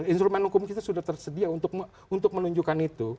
instrumen hukum kita sudah tersedia untuk menunjukkan itu